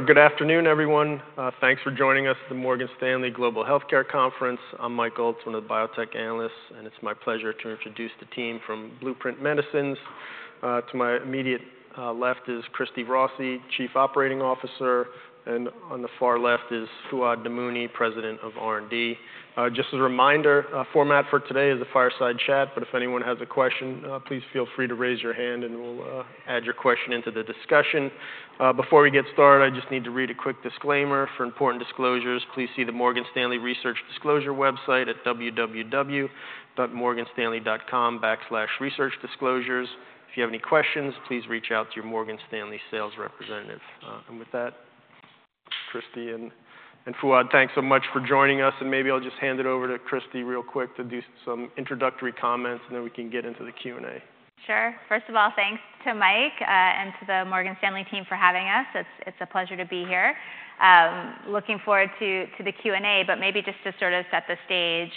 Good afternoon, everyone. Thanks for joining us at the Morgan Stanley Global Healthcare Conference. I'm Mike Goldman, a biotech analyst, and it's my pleasure to introduce the team from Blueprint Medicines. To my immediate left is Christy Rossi, Chief Operating Officer, and on the far left is Fouad Namouni, President of R&D. Just as a reminder, our format for today is a fireside chat, but if anyone has a question, please feel free to raise your hand, and we'll add your question into the discussion. Before we get started, I just need to read a quick disclaimer. For important disclosures, please see the Morgan Stanley Research Disclosure website at www.morganstanley.com/researchdisclosures. If you have any questions, please reach out to your Morgan Stanley sales representative. And with that, Christy and Fouad, thanks so much for joining us, and maybe I'll just hand it over to Christy real quick to do some introductory comments, and then we can get into the Q&A. Sure. First of all, thanks to Mike and to the Morgan Stanley team for having us. It's a pleasure to be here. Looking forward to the Q&A, but maybe just to sort of set the stage,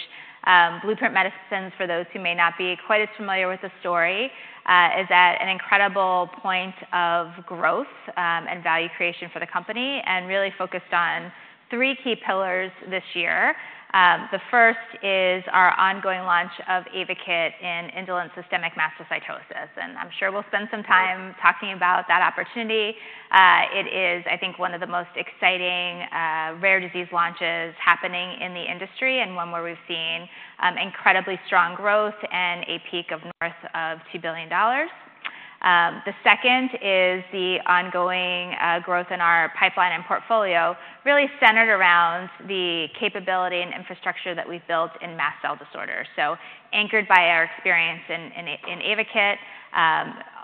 Blueprint Medicines, for those who may not be quite as familiar with the story, is at an incredible point of growth and value creation for the company, and really focused on three key pillars this year. The first is our ongoing launch of Ayvakit in indolent systemic mastocytosis, and I'm sure we'll spend some time talking about that opportunity. It is, I think, one of the most exciting rare disease launches happening in the industry and one where we've seen incredibly strong growth and a peak of north of $2 billion. The second is the ongoing growth in our pipeline and portfolio, really centered around the capability and infrastructure that we've built in mast cell disorder. So anchored by our experience in Ayvakit,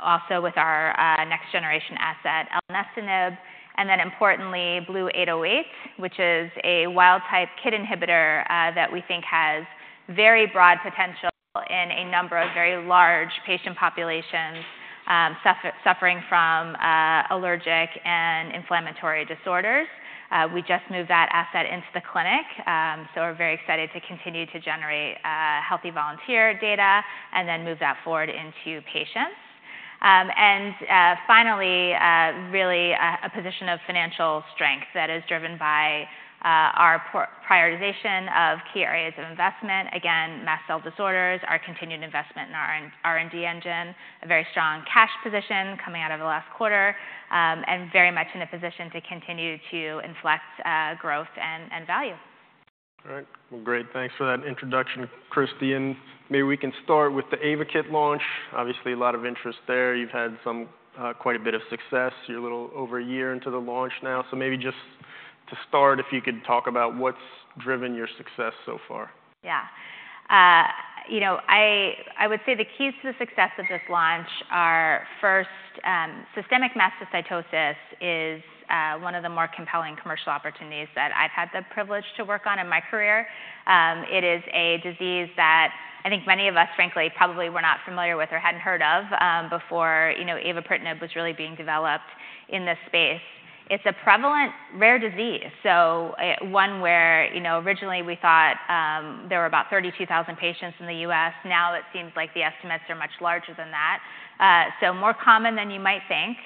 also with our next-generation asset, elenestinib, and then importantly, BLU-808, which is a wild-type KIT inhibitor, that we think has very broad potential in a number of very large patient populations, suffering from allergic and inflammatory disorders. We just moved that asset into the clinic, so we're very excited to continue to generate healthy volunteer data and then move that forward into patients. And finally, really a position of financial strength that is driven by our prioritization of key areas of investment. Again, mast cell disorders, our continued investment in our R&D engine, a very strong cash position coming out of the last quarter, and very much in a position to continue to inflect growth and value. All right. Well, great. Thanks for that introduction, Christy, and maybe we can start with the Ayvakit launch. Obviously, a lot of interest there. You've had some quite a bit of success. You're a little over a year into the launch now. So maybe just to start, if you could talk about what's driven your success so far. Yeah. You know, I would say the keys to the success of this launch are, first, systemic mastocytosis is one of the more compelling commercial opportunities that I've had the privilege to work on in my career. It is a disease that I think many of us, frankly, probably were not familiar with or hadn't heard of before, you know, avapritinib was really being developed in this space. It's a prevalent rare disease, so one where, you know, originally we thought there were about thirty-two thousand patients in the U.S. Now it seems like the estimates are much larger than that. So more common than you might think.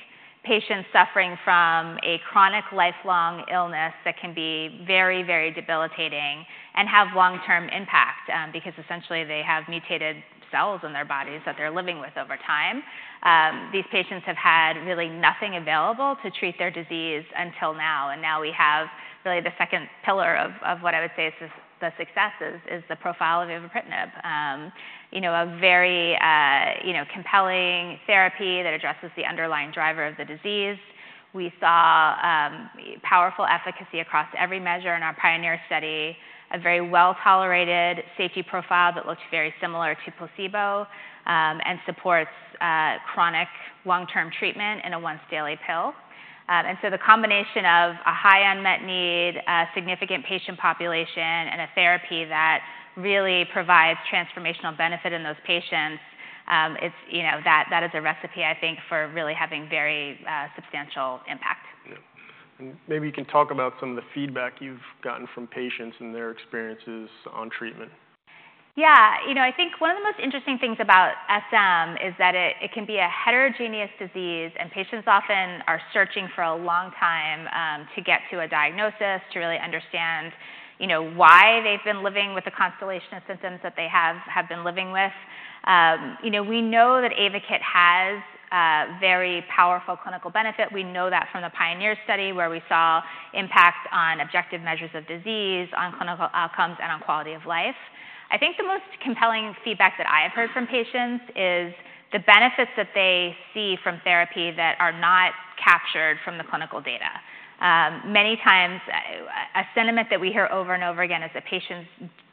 Patients suffering from a chronic lifelong illness that can be very, very debilitating and have long-term impact because essentially, they have mutated cells in their bodies that they're living with over time. These patients have had really nothing available to treat their disease until now, and now we have really the second pillar of what I would say is the successes, is the profile of avapritinib. You know, a very, you know, compelling therapy that addresses the underlying driver of the disease. We saw powerful efficacy across every measure in our PIONEER study, a very well-tolerated safety profile that looked very similar to placebo, and supports chronic long-term treatment in a once-daily pill. And so the combination of a high unmet need, a significant patient population, and a therapy that really provides transformational benefit in those patients, it's you know, that is a recipe, I think, for really having very substantial impact. Yeah. And maybe you can talk about some of the feedback you've gotten from patients and their experiences on treatment. Yeah. You know, I think one of the most interesting things about SM is that it can be a heterogeneous disease, and patients often are searching for a long time to get to a diagnosis, to really understand, you know, why they've been living with the constellation of symptoms that they have been living with. You know, we know that Ayvakit has a very powerful clinical benefit. We know that from the PIONEER study, where we saw impact on objective measures of disease, on clinical outcomes, and on quality of life. I think the most compelling feedback that I have heard from patients is the benefits that they see from therapy that are not captured from the clinical data. Many times, a sentiment that we hear over and over again is that patients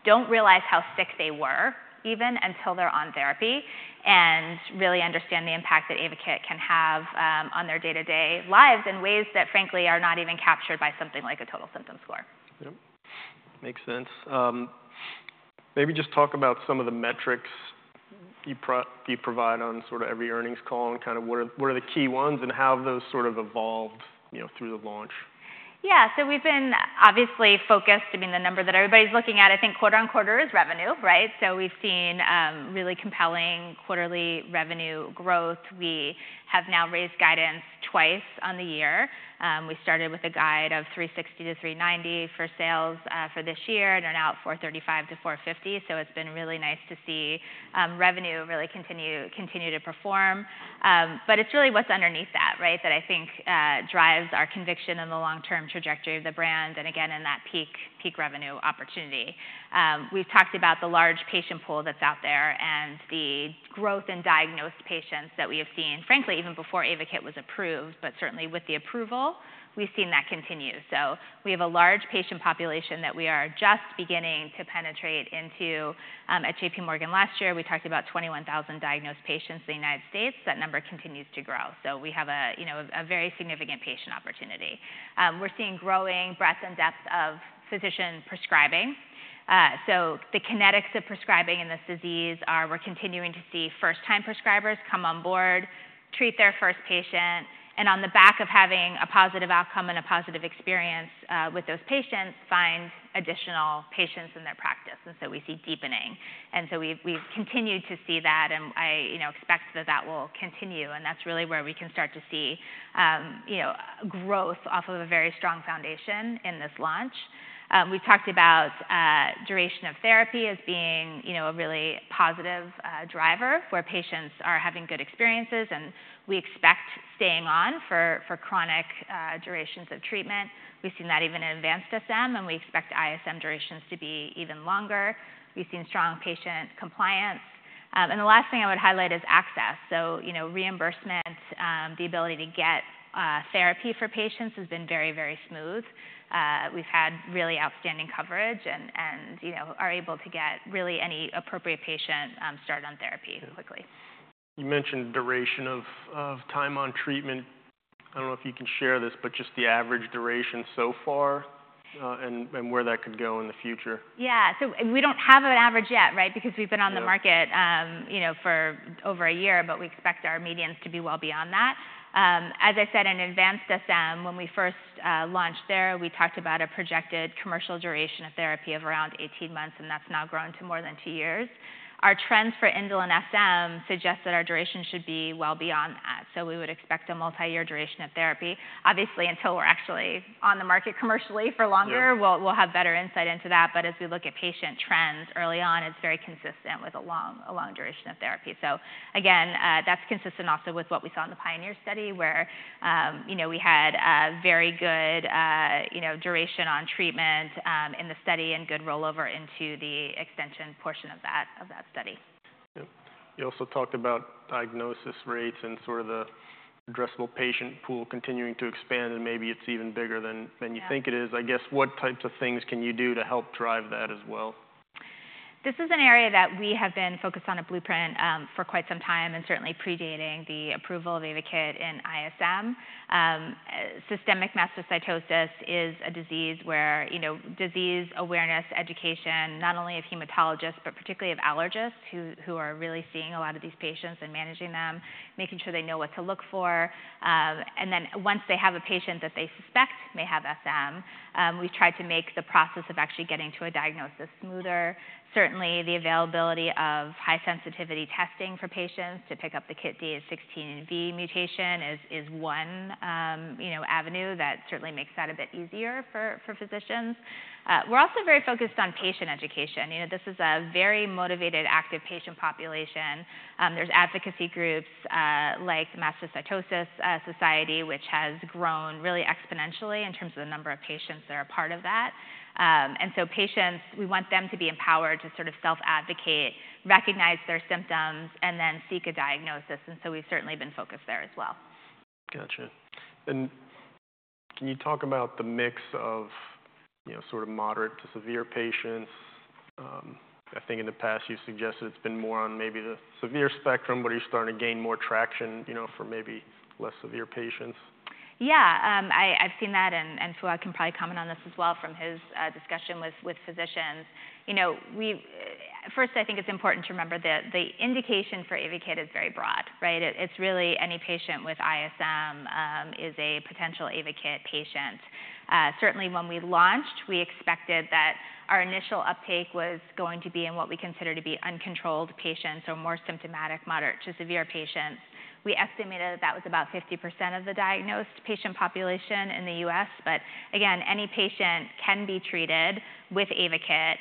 don't realize how sick they were even until they're on therapy and really understand the impact that Ayvakit can have, on their day-to-day lives in ways that, frankly, are not even captured by something like a total symptom score. Yep. Makes sense. Maybe just talk about some of the metrics you provide on sort of every earnings call and kind of what are the key ones and how have those sort of evolved, you know, through the launch? Yeah, so we've been obviously focused. I mean, the number that everybody's looking at, I think, quarter on quarter is revenue, right? So we've seen really compelling quarterly revenue growth. We have now raised guidance twice on the year. We started with a guide of $360 million-$390 million for sales for this year, and are now at $435 million-$450 million. So it's been really nice to see revenue really continue to perform. But it's really what's underneath that, right, that I think drives our conviction in the long-term trajectory of the brand, and again, in that peak revenue opportunity. We've talked about the large patient pool that's out there and the growth in diagnosed patients that we have seen, frankly, even before Ayvakit was approved, but certainly with the approval, we've seen that continue. So we have a large patient population that we are just beginning to penetrate into. At J.P. Morgan last year, we talked about 21,000 diagnosed patients in the United States. That number continues to grow, so we have you know a very significant patient opportunity. We're seeing growing breadth and depth of physician prescribing. So the kinetics of prescribing in this disease are, we're continuing to see first-time prescribers come on board, treat their first patient, and on the back of having a positive outcome and a positive experience with those patients, find additional patients in their practice, and so we see deepening. And so we've continued to see that, and I you know expect that that will continue, and that's really where we can start to see you know growth off of a very strong foundation in this launch. We talked about duration of therapy as being, you know, a really positive driver, where patients are having good experiences, and we expect staying on for chronic durations of treatment. We've seen that even in advanced SM, and we expect ISM durations to be even longer. We've seen strong patient compliance. And the last thing I would highlight is access. So, you know, reimbursement, the ability to get therapy for patients has been very, very smooth. We've had really outstanding coverage and, you know, are able to get really any appropriate patient started on therapy quickly. You mentioned duration of time on treatment. I don't know if you can share this, but just the average duration so far, and where that could go in the future. Yeah. So we don't have an average yet, right? Because we've been on the market, you know, for over a year, but we expect our medians to be well beyond that. As I said, in advanced SM, when we first launched there, we talked about a projected commercial duration of therapy of around eighteen months, and that's now grown to more than two years. Our trends for indolent SM suggest that our duration should be well beyond that, so we would expect a multi-year duration of therapy. Obviously, until we're actually on the market commercially for longer we'll have better insight into that. But as we look at patient trends early on, it's very consistent with a long duration of therapy. So again, that's consistent also with what we saw in the PIONEER study, where, you know, we had a very good, you know, duration on treatment, in the study, and good rollover into the extension portion of that study. Yep. You also talked about diagnosis rates and sort of the addressable patient pool continuing to expand, and maybe it's even bigger than, than you think it is. I guess, what types of things can you do to help drive that as well? This is an area that we have been focused on at Blueprint for quite some time, and certainly predating the approval of Ayvakit in ISM. Systemic mastocytosis is a disease where, you know, disease awareness, education, not only of hematologists, but particularly of allergists, who are really seeing a lot of these patients and managing them, making sure they know what to look for. And then once they have a patient that they suspect may have SM, we've tried to make the process of actually getting to a diagnosis smoother. Certainly, the availability of high-sensitivity testing for patients to pick up the KIT D816V mutation is one, you know, avenue that certainly makes that a bit easier for physicians. We're also very focused on patient education. You know, this is a very motivated, active patient population. There's advocacy groups, like Mastocytosis Society, which has grown really exponentially in terms of the number of patients that are a part of that. And so patients, we want them to be empowered to sort of self-advocate, recognize their symptoms, and then seek a diagnosis, and so we've certainly been focused there as well. Gotcha. And can you talk about the mix of, you know, sort of moderate to severe patients? I think in the past you've suggested it's been more on maybe the severe spectrum, but are you starting to gain more traction, you know, for maybe less severe patients? Yeah, I've seen that, and Fouad can probably comment on this as well from his discussion with physicians. You know, we first, I think it's important to remember that the indication for Ayvakit is very broad, right? It's really any patient with ISM is a potential Ayvakit patient. Certainly, when we launched, we expected that our initial uptake was going to be in what we consider to be uncontrolled patients or more symptomatic, moderate to severe patients. We estimated that was about 50% of the diagnosed patient population in the U.S. But again, any patient can be treated with Ayvakit.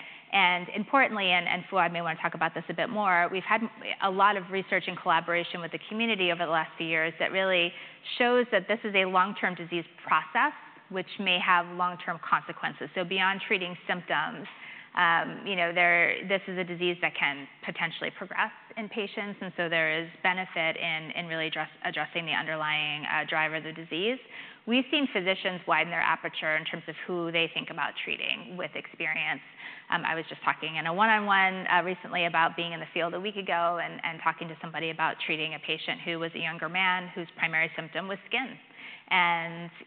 Importantly, and, and Fouad may want to talk about this a bit more, we've had a lot of research and collaboration with the community over the last few years that really shows that this is a long-term disease process, which may have long-term consequences. So beyond treating symptoms, you know, there. This is a disease that can potentially progress in patients, and so there is benefit in really addressing the underlying driver of the disease. We've seen physicians widen their aperture in terms of who they think about treating with experience. I was just talking in a one-on-one recently about being in the field a week ago and talking to somebody about treating a patient who was a younger man whose primary symptom was skin.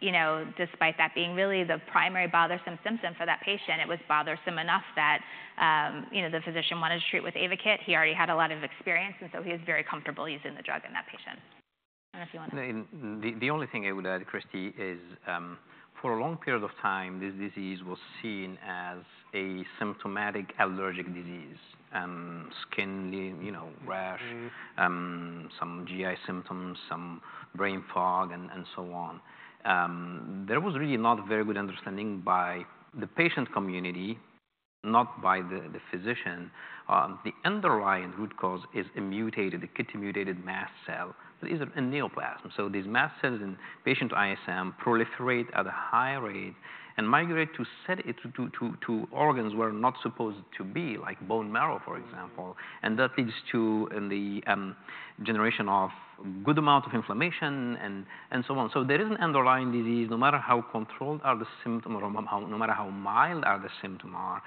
You know, despite that being really the primary bothersome symptom for that patient, it was bothersome enough that, you know, the physician wanted to treat with Ayvakit. He already had a lot of experience, and so he was very comfortable using the drug in that patient. And if you want to. The only thing I would add, Christy, is, for a long period of time, this disease was seen as a symptomatic allergic disease, skin, you know, rash some GI symptoms, some brain fog, and so on. There was really not a very good understanding by the patient community, not by the physician. The underlying root cause is a KIT-mutated mast cell. It is a neoplasm. These mast cells in patient ISM proliferate at a high rate and migrate to organs where they're not supposed to be, like bone marrow, for example. And that leads to the generation of good amount of inflammation and so on. So there is an underlying disease, no matter how controlled are the symptom or no matter how mild are the symptom are,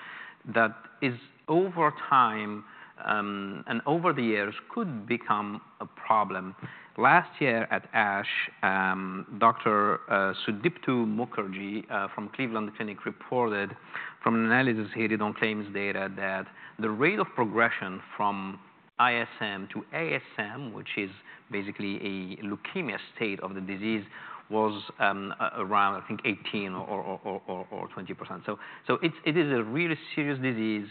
that is over time and over the years could become a problem. Last year at ASH, Dr. Sudipto Mukherjee from Cleveland Clinic reported from an analysis he did on claims data, that the rate of progression from ISM to ASM, which is basically a leukemia state of the disease, was around, I think, 18 or 20%. It is a really serious disease,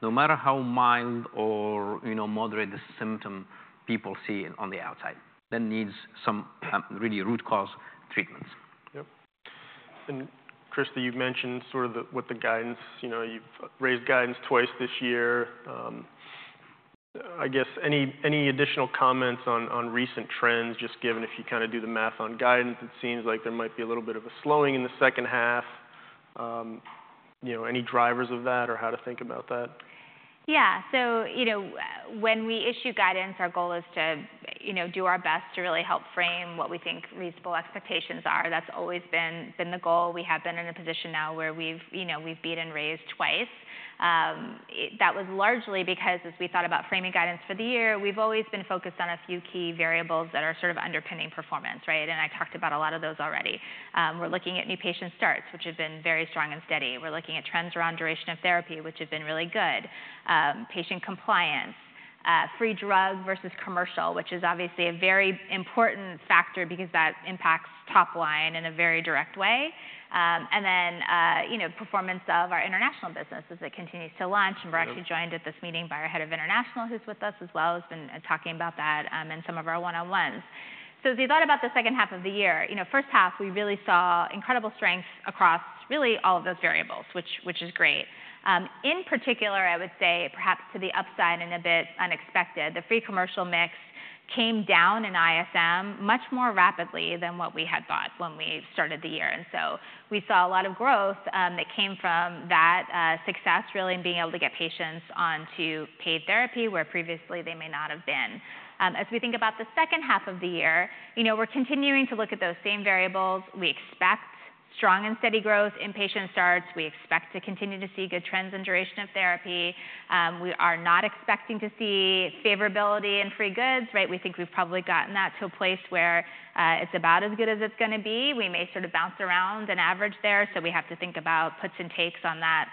no matter how mild or, you know, moderate the symptom people see on the outside, that needs some really root-cause treatments. Yep. And Christy, you've mentioned sort of what the guidance... You know, you've raised guidance twice this year. I guess, any additional comments on recent trends, just given if you kind of do the math on guidance, it seems like there might be a little bit of a slowing in the second half. You know, any drivers of that or how to think about that? Yeah. So, you know, when we issue guidance, our goal is to, you know, do our best to really help frame what we think reasonable expectations are. That's always been the goal. We have been in a position now where we've, you know, we've beat and raised twice. That was largely because as we thought about framing guidance for the year, we've always been focused on a few key variables that are sort of underpinning performance, right? And I talked about a lot of those already. We're looking at new patient starts, which have been very strong and steady. We're looking at trends around duration of therapy, which have been really good. Patient compliance, free drug versus commercial, which is obviously a very important factor because that impacts top line in a very direct way. And then, you know, performance of our international business as it continues to launch. Yep. And we're actually joined at this meeting by our head of international, who's with us as well, has been talking about that in some of our one-on-ones, so as we thought about the second half of the year, you know, first half, we really saw incredible strength across really all of those variables, which is great. In particular, I would say perhaps to the upside and a bit unexpected, the free commercial mix came down in ISM much more rapidly than what we had thought when we started the year, and so we saw a lot of growth that came from that success, really, in being able to get patients onto paid therapy, where previously they may not have been. As we think about the second half of the year, you know, we're continuing to look at those same variables. We expect strong and steady growth in patient starts. We expect to continue to see good trends in duration of therapy. We are not expecting to see favorability in free goods, right? We think we've probably gotten that to a place where it's about as good as it's gonna be. We may sort of bounce around an average there, so we have to think about puts and takes on that.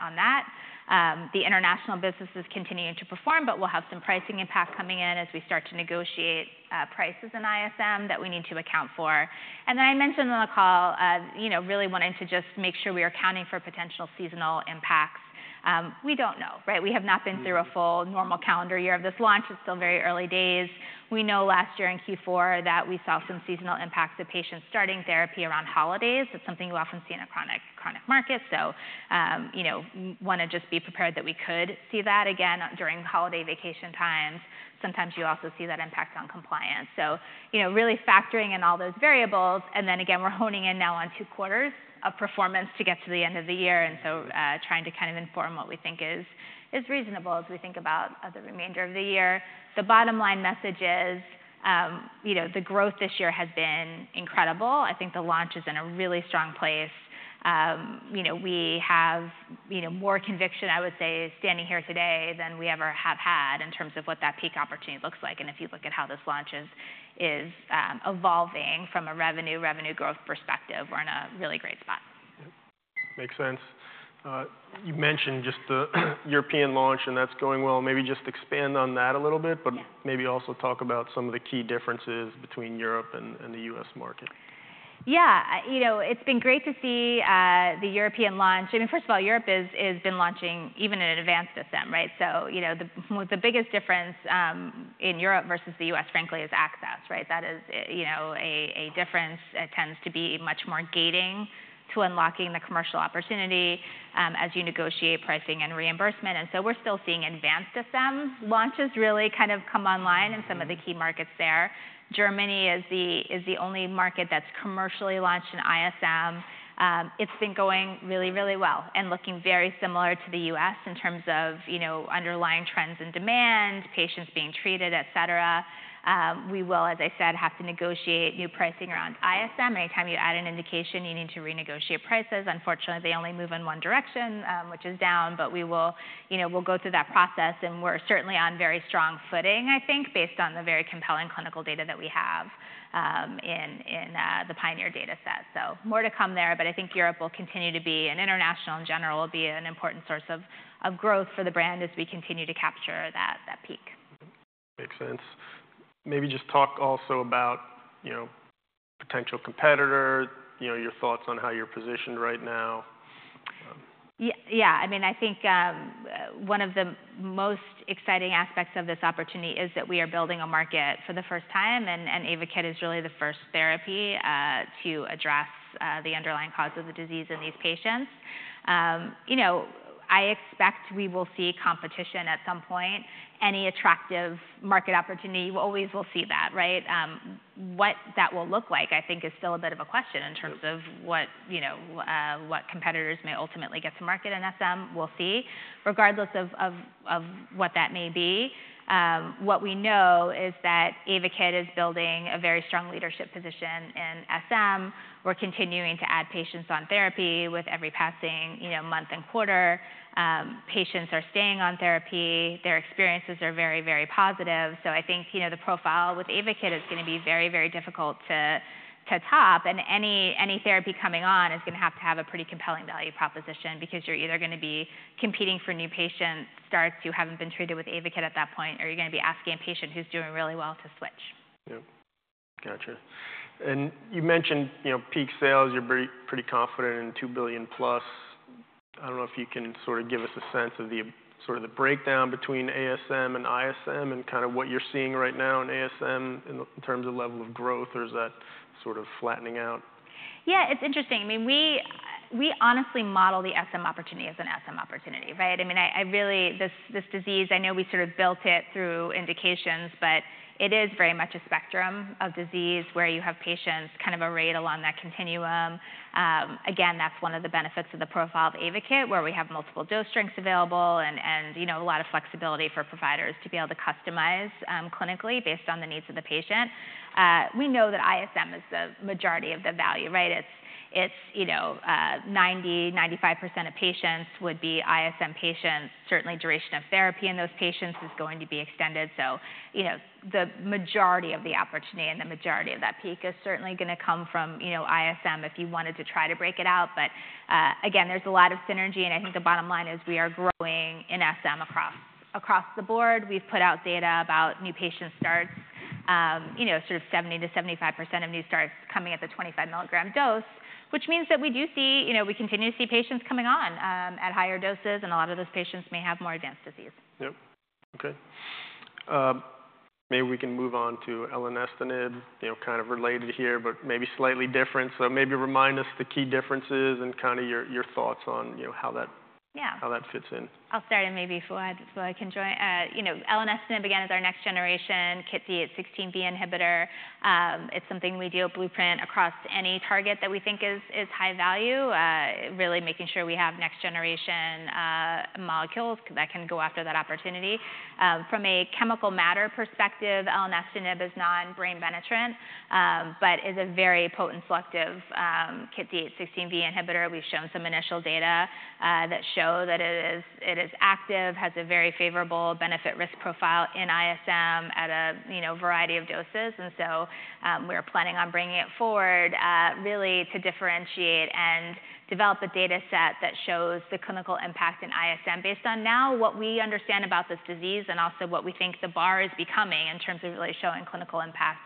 The international business is continuing to perform, but we'll have some pricing impact coming in as we start to negotiate prices in ISM that we need to account for. And then I mentioned on the call, you know, really wanting to just make sure we are accounting for potential seasonal impacts. We don't know, right? Mm-hmm. We have not been through a full normal calendar year of this launch. It's still very early days. We know last year in Q4 that we saw some seasonal impacts of patients starting therapy around holidays. It's something you often see in a chronic market. So, you know, wanna just be prepared that we could see that again during holiday vacation times. Sometimes you also see that impact on compliance. So, you know, really factoring in all those variables, and then again, we're honing in now on two quarters of performance to get to the end of the year, and so, trying to kind of inform what we think is reasonable as we think about the remainder of the year. The bottom line message is, you know, the growth this year has been incredible. I think the launch is in a really strong place. You know, we have, you know, more conviction, I would say, standing here today than we ever have had in terms of what that peak opportunity looks like. And if you look at how this launch is evolving from a revenue growth perspective, we're in a really great spot. Yep. Makes sense. You mentioned just the European launch, and that's going well. Maybe just expand on that a little bit. Yeah But maybe also talk about some of the key differences between Europe and the U.S. market. Yeah. You know, it's been great to see the European launch. I mean, first of all, Europe has been launching even in an advanced ISM, right? So, you know, the biggest difference in Europe versus the U.S., frankly, is access, right? That is, you know, a difference. It tends to be much more gating to unlocking the commercial opportunity as you negotiate pricing and reimbursement, and so we're still seeing advanced ISM launches really kind of come online in some of the key markets there. Germany is the only market that's commercially launched in ISM. It's been going really, really well and looking very similar to the U.S. in terms of, you know, underlying trends and demand, patients being treated, et cetera. We will, as I said, have to negotiate new pricing around ISM. Anytime you add an indication, you need to renegotiate prices. Unfortunately, they only move in one direction, which is down, but, you know, we'll go through that process, and we're certainly on very strong footing, I think, based on the very compelling clinical data that we have in the PIONEER data set. So more to come there, but I think Europe will continue to be, and international, in general, will be an important source of growth for the brand as we continue to capture that peak. Makes sense. Maybe just talk also about, you know, potential competitor, you know, your thoughts on how you're positioned right now. Yeah, I mean, I think, one of the most exciting aspects of this opportunity is that we are building a market for the first time, and Ayvakit is really the first therapy, to address, the underlying cause of the disease in these patients. You know, I expect we will see competition at some point. Any attractive market opportunity, we always will see that, right? What that will look like, I think, is still a bit of a question in terms of what, you know, what competitors may ultimately get to market in SM. We'll see. Regardless of what that may be, what we know is that Ayvakit is building a very strong leadership position in SM. We're continuing to add patients on therapy with every passing, you know, month and quarter. Patients are staying on therapy. Their experiences are very, very positive. So I think, you know, the profile with Ayvakit is gonna be very, very difficult to top. And any therapy coming on is gonna have to have a pretty compelling value proposition because you're either gonna be competing for new patient starts who haven't been treated with Ayvakit at that point, or you're gonna be asking a patient who's doing really well to switch. Yep. Gotcha. And you mentioned, you know, peak sales, you're pretty confident in two billion plus. I don't know if you can sort of give us a sense of the sort of the breakdown between ASM and ISM and kind of what you're seeing right now in ASM in terms of level of growth or is that sort of flattening out? Yeah, it's interesting. I mean, we honestly model the SM opportunity as an SM opportunity, right? I mean, I really... This disease, I know we sort of built it through indications, but it is very much a spectrum of disease where you have patients kind of arrayed along that continuum. Again, that's one of the benefits of the profile of Ayvakit, where we have multiple dose strengths available and you know a lot of flexibility for providers to be able to customize clinically based on the needs of the patient. We know that ISM is the majority of the value, right? It's you know 95% of patients would be ISM patients. Certainly, duration of therapy in those patients is going to be extended. So, you know, the majority of the opportunity and the majority of that peak is certainly gonna come from, you know, ISM if you wanted to try to break it out. But again, there's a lot of synergy, and I think the bottom line is we are growing in SM across the board. We've put out data about new patient starts, you know, sort of 70%-75% of new starts coming at the 25-milligram dose, which means that we do see, you know, we continue to see patients coming on at higher doses, and a lot of those patients may have more advanced disease. Yep. Okay. Maybe we can move on to Elenestinib. You know, kind of related here, but maybe slightly different. So maybe remind us the key differences and kind of your thoughts on, you know, how that, how that fits in. I'll start, and maybe Fouad can join. You know, Elenestinib, again, is our next generation KIT D816V inhibitor. It's something we do at Blueprint across any target that we think is high value, really making sure we have next generation molecules that can go after that opportunity. From a chemotype perspective, Elenestinib is non-brain penetrant, but is a very potent selective KIT D816V inhibitor. We've shown some initial data that show that it is active, has a very favorable benefit-risk profile in ISM at a you know variety of doses. And so, we are planning on bringing it forward, really to differentiate and develop a data set that shows the clinical impact in ISM based on now what we understand about this disease and also what we think the bar is becoming in terms of really showing clinical impact,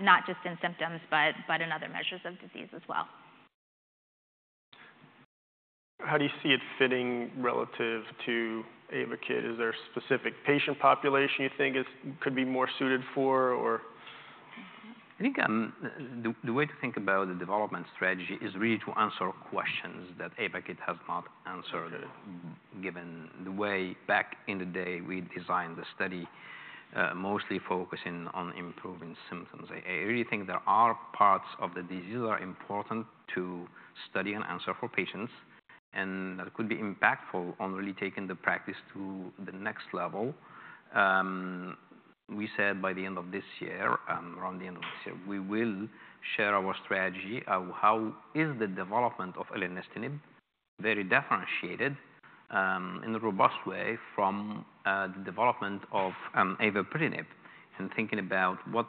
not just in symptoms, but in other measures of disease as well. How do you see it fitting relative to Ayvakit? Is there a specific patient population you think could be more suited for or? I think the way to think about the development strategy is really to answer questions that Ayvakit has not answered, given the way back in the day we designed the study, mostly focusing on improving symptoms. I really think there are parts of the disease that are important to study and answer for patients, and that could be impactful on really taking the practice to the next level. We said by the end of this year, around the end of this year, we will share our strategy of how the development of Elenestinib is very differentiated, in a robust way from the development of avapritinib, and thinking about what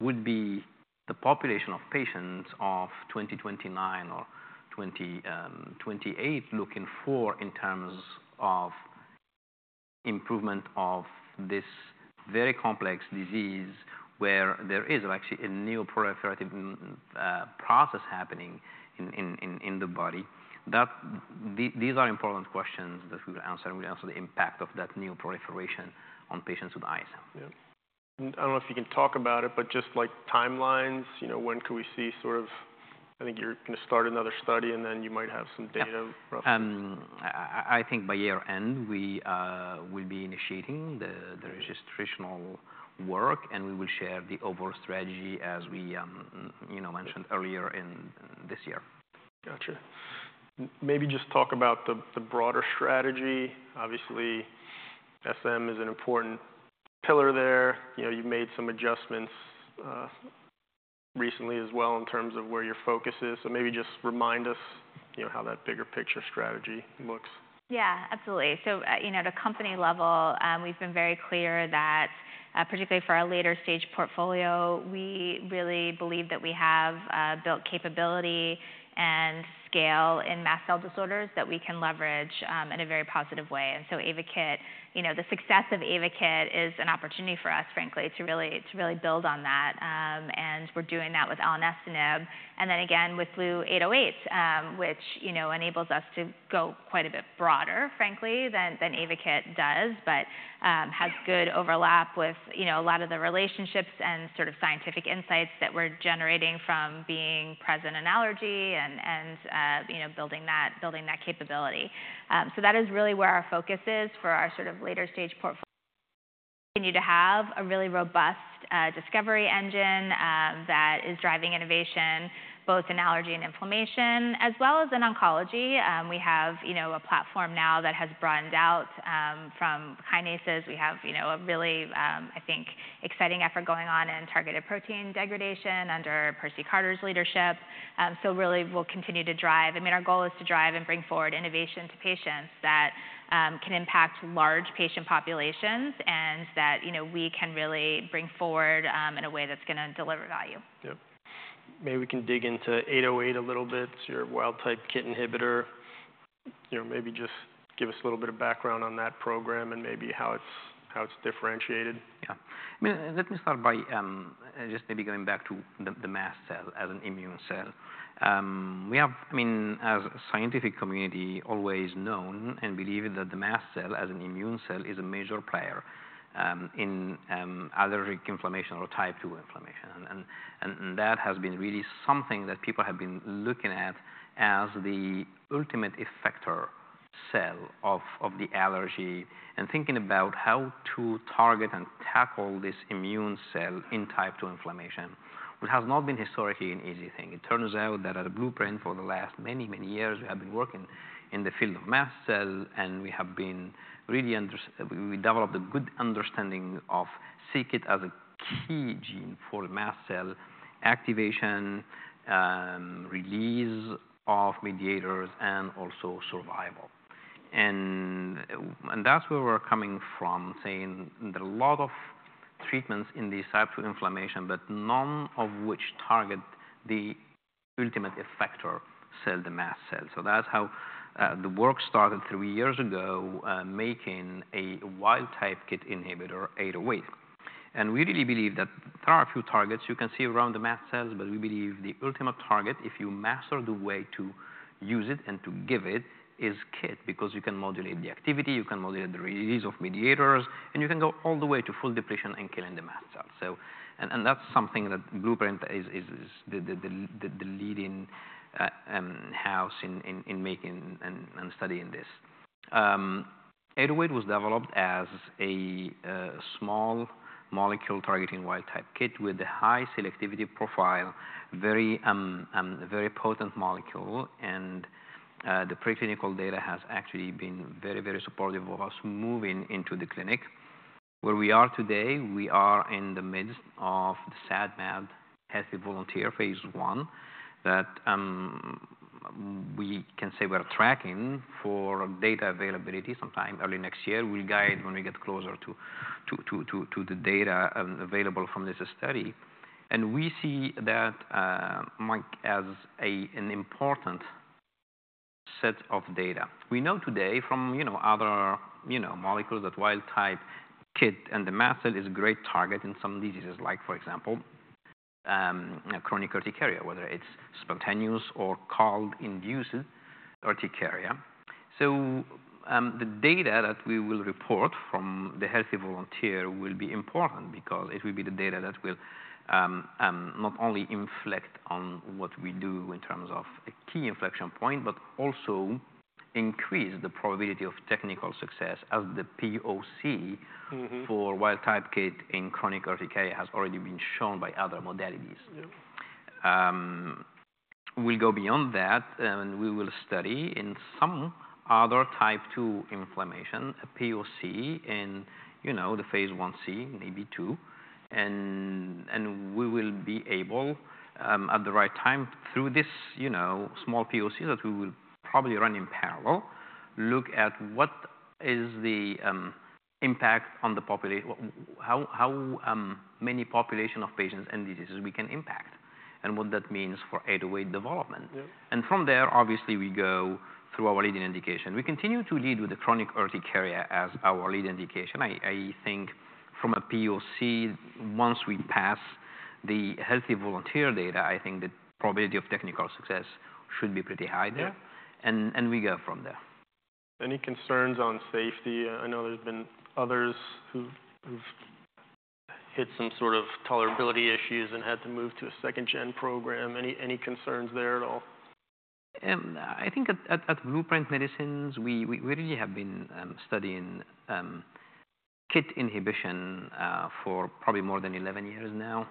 would be the population of patients of 2029 or 2028 looking for in terms of improvement of this very complex disease, where there is actually a neoproliferative process happening in the body. These are important questions that we will answer, and we'll answer the impact of that neoproliferation on patients with ISM. Yeah. I don't know if you can talk about it, but just like timelines, you know, when could we see sort of, I think you're gonna start another study, and then you might have some data roughly? I think by year-end, we will be initiating the registrational work, and we will share the overall strategy, as we, you know, mentioned earlier in this year. Gotcha. Maybe just talk about the broader strategy. Obviously, SM is an important pillar there. You know, you've made some adjustments recently as well in terms of where your focus is. So maybe just remind us, you know, how that bigger picture strategy looks. Yeah, absolutely. So at a company level, you know, we've been very clear that, particularly for our later stage portfolio, we really believe that we have built capability and scale in mast cell disorders that we can leverage in a very positive way. And so Ayvakit, you know, the success of Ayvakit is an opportunity for us, frankly, to really build on that. We're doing that with Elenestinib, and then again with BLU-808, which, you know, enables us to go quite a bit broader, frankly, than Ayvakit does, but has good overlap with, you know, a lot of the relationships and sort of scientific insights that we're generating from being present in allergy and, you know, building that capability. So that is really where our focus is for our sort of later-stage portfolio: continue to have a really robust discovery engine that is driving innovation both in allergy and inflammation, as well as in oncology. We have, you know, a platform now that has broadened out from kinases. We have, you know, a really, I think, exciting effort going on in targeted protein degradation under Percy Carter's leadership. So really, we'll continue to drive... I mean, our goal is to drive and bring forward innovation to patients that can impact large patient populations and that, you know, we can really bring forward in a way that's gonna deliver value. Yep. Maybe we can dig into BLU-808 a little bit, your wild-type KIT inhibitor. You know, maybe just give us a little bit of background on that program and maybe how it's, how it's differentiated. Yeah. I mean, let me start by just maybe going back to the mast cell as an immune cell. We have, I mean, as a scientific community, always known and believe that the mast cell as an immune cell is a major player in allergic inflammation or type two inflammation. And that has been really something that people have been looking at as the ultimate effector cell of the allergy and thinking about how to target and tackle this immune cell in type two inflammation, which has not been historically an easy thing. It turns out that at Blueprint, for the last many, many years, we have been working in the field of mast cell, and we developed a good understanding of c-KIT as a key gene for mast cell activation, release of mediators, and also survival. And that's where we're coming from, saying there are a lot of treatments in this type of inflammation, but none of which target the ultimate effector cell, the mast cell. So that's how the work started three years ago, making a wild-type KIT inhibitor, 808. And we really believe that there are a few targets you can see around the mast cells, but we believe the ultimate target, if you master the way to use it and to give it, is KIT, because you can modulate the activity, you can modulate the release of mediators, and you can go all the way to full depletion and killing the mast cell. And that's something that Blueprint is the leading house in making and studying this. Eight oh eight was developed as a small molecule targeting wild-type KIT with a high selectivity profile, very very potent molecule, and the preclinical data has actually been very very supportive of us moving into the clinic. Where we are today, we are in the midst of the SAD/MAD healthy volunteer phase I, that we can say we're tracking for data availability sometime early next year. We'll guide when we get closer to the data available from this study. And we see that, Mike, as an important set of data. We know today from, you know, other, you know, molecules that wild type KIT and the mast cell is a great target in some diseases, like, for example, chronic urticaria, whether it's spontaneous or cold-induced urticaria. So, the data that we will report from the healthy volunteer will be important because it will be the data that will not only inflect on what we do in terms of a key inflection point, but also increase the probability of technical success as the POC for wild-type KIT in chronic urticaria has already been shown by other modalities. Yep. We'll go beyond that, and we will study in some other type two inflammation a POC in, you know, the phase 1c, maybe 2, and we will be able at the right time, through this, you know, small POC that we will probably run in parallel, look at what is the impact on the population, how many populations of patients and diseases we can impact, and what that means for BLU-808 development. Yep. From there, obviously, we go through our leading indication. We continue to lead with the chronic urticaria as our lead indication. I think from a POC, once we pass the healthy volunteer data, I think the probability of technical success should be pretty high there. Yeah. We go from there. Any concerns on safety? I know there's been others who've hit some sort of tolerability issues and had to move to a second-gen program. Any concerns there at all? I think at Blueprint Medicines, we really have been studying KIT inhibition for probably more than eleven years now.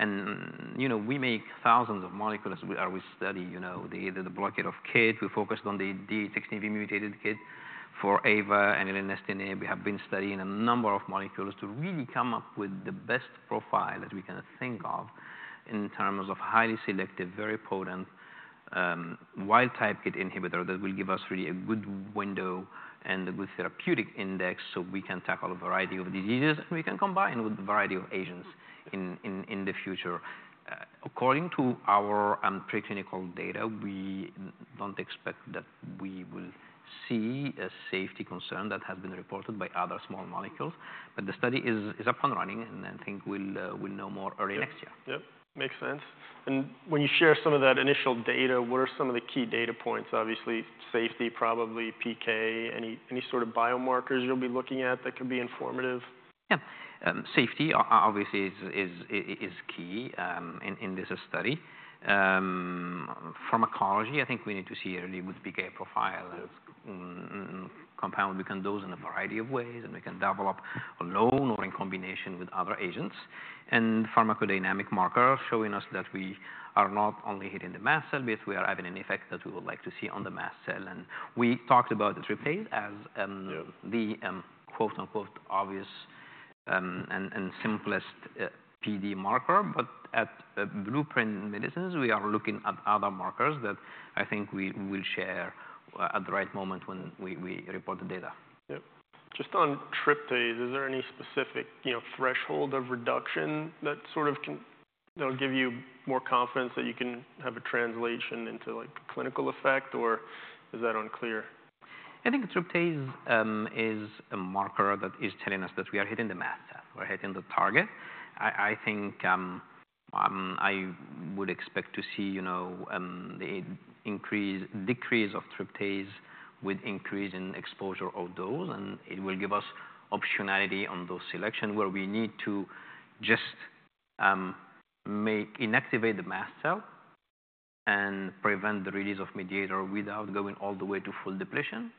You know, we make thousands of molecules or we study, you know, the blockade of KIT. We focused on the D816V mutated KIT for AVA and Elenestinib. We have been studying a number of molecules to really come up with the best profile that we can think of in terms of highly selective, very potent wild-type KIT inhibitor that will give us really a good window and a good therapeutic index, so we can tackle a variety of diseases, and we can combine with a variety of agents in the future. According to our preclinical data, we don't expect that we will see a safety concern that has been reported by other small molecules. But the study is up and running, and I think we'll know more early next year. Yep, makes sense. And when you share some of that initial data, what are some of the key data points? Obviously, safety, probably PK, any, any sort of biomarkers you'll be looking at that could be informative? Yeah. Safety obviously is key in this study. Pharmacology, I think we need to see early with PK profile as a compound we can dose in a variety of ways, and we can develop alone or in combination with other agents. Pharmacodynamic marker, showing us that we are not only hitting the mast cell, but we are having an effect that we would like to see on the mast cell. We talked about the tryptase as the quote, unquote, "obvious," and simplest PD marker. But at Blueprint Medicines, we are looking at other markers that I think we will share at the right moment when we report the data. Yep. Just on tryptase, is there any specific, you know, threshold of reduction that sort of can, you know, give you more confidence that you can have a translation into, like, a clinical effect, or is that unclear? I think tryptase is a marker that is telling us that we are hitting the mast cell, we're hitting the target. I think I would expect to see, you know, the decrease of tryptase with increase in exposure of dose, and it will give us optionality on dose selection, where we need to just inactivate the mast cell and prevent the release of mediator without going all the way to full depletion.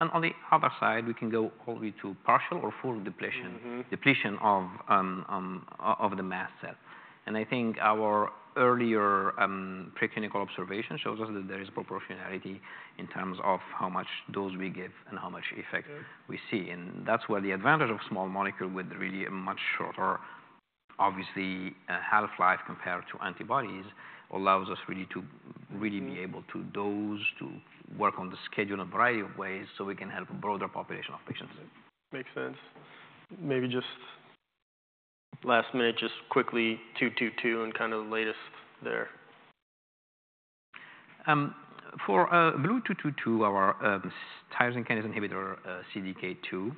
And on the other side, we can go all the way to partial or full depletion, depletion of the mast cell. And I think our earlier preclinical observation shows us that there is proportionality in terms of how much dose we give and how much effect we see. And that's where the advantage of small molecule with really a much shorter, obviously, half-life compared to antibodies, allows us really to be able to dose, to work on the schedule in a variety of ways, so we can help a broader population of patients. Makes sense. Maybe just last minute, just quickly, two, and kind of the latest there. For BLU-222, our tyrosine kinase inhibitor, CDK2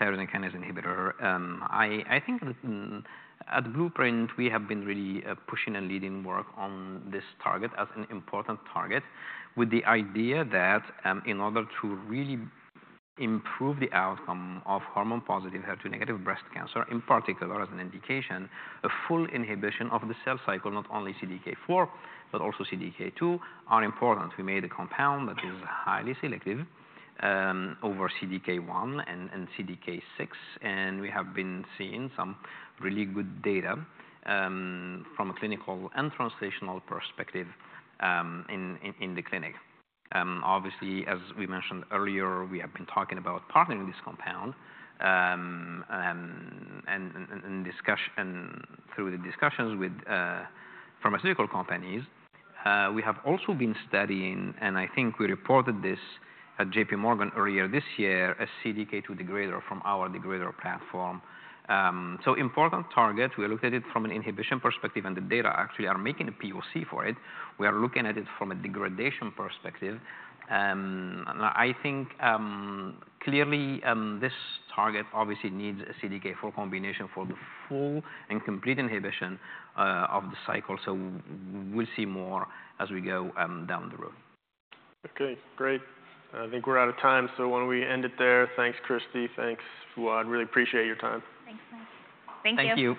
tyrosine kinase inhibitor, I think that at Blueprint, we have been really pushing and leading work on this target as an important target, with the idea that in order to really improve the outcome of hormone-positive, HER2-negative breast cancer, in particular as an indication, a full inhibition of the cell cycle, not only CDK4, but also CDK2, are important. We made a compound that is highly selective over CDK1 and CDK6, and we have been seeing some really good data from a clinical and translational perspective in the clinic. Obviously, as we mentioned earlier, we have been talking about partnering this compound and through the discussions with pharmaceutical companies. We have also been studying, and I think we reported this at JPMorgan earlier this year, a CDK2 degrader from our degrader platform. So important target, we looked at it from an inhibition perspective, and the data actually are making a POC for it. We are looking at it from a degradation perspective. I think, clearly, this target obviously needs a CDK4 combination for the full and complete inhibition of the cycle, so we'll see more as we go down the road. Okay, great. I think we're out of time, so why don't we end it there? Thanks, Christy, thanks, Fouad. Really appreciate your time. Thanks, guys. Thank you.